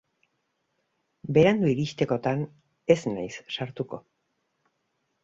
Berandu iristekotan, ez naiz sartuko.